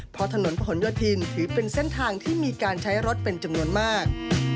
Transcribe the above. เพราะถนนพระหลโยธินถือเป็นเส้นทางที่มีการใช้รถเป็นจำนวนมาก